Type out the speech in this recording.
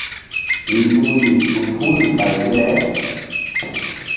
Nzukri ɗuk hul ɓay fe le.